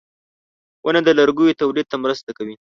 • ونه د لرګیو تولید ته مرسته کوي.